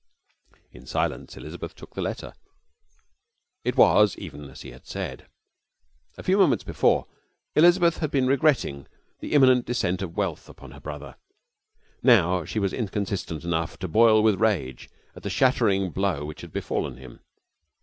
In silence Elizabeth took the letter. It was even as he had said. A few moments before Elizabeth had been regretting the imminent descent of wealth upon her brother. Now she was inconsistent enough to boil with rage at the shattering blow which had befallen him.